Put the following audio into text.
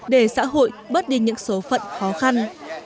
để xã hội bớt đi những số phận khó khăn